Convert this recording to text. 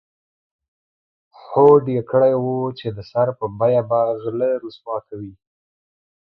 هوډ یې کړی و چې د سر په بیه به غله رسوا کوي.